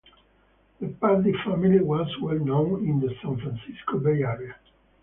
The Pardee family was well known in the San Francisco Bay Area.